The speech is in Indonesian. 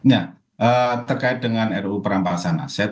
ya terkait dengan ru perampasan aset